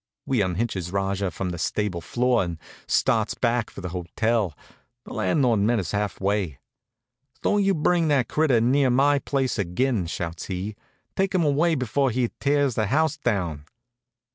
We unhitches Rajah from the stable floor and starts back for the hotel. The landlord met us half way. "Don't you bring that critter near my place ag'in!" shouts he. "Take him away before he tears the house down."